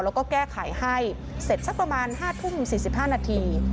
แล้วก็แก้ไขให้เสร็จสักประมาณห้าทุ่มสี่สิบห้านาที